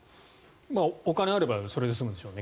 お金があればそれで済むでしょうね。